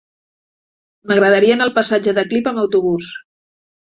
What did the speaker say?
M'agradaria anar al passatge de Clip amb autobús.